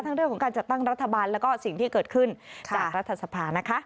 ทั้งเรื่องการจัดตั้งรัฐบาลและเพื่อสิ่งที่เกิดขึ้นจากรัฐสภานะคะ